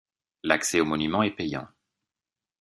L'accès au monument est payant.